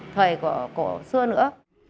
thời của xưa nữa